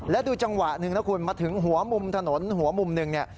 และดูจังหวะหนึ่งนะคุณมาถึงหัวมุมถนนหัวมุมหนึ่งเนี่ย